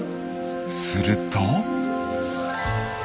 すると。